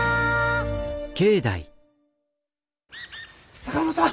坂本さん！